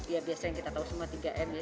ya biasa yang kita tahu semua tiga m ya